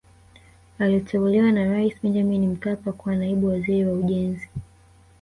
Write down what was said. aliteuliwa na raisi benjamin mkapa kuwa naibu waziri wa ujenzi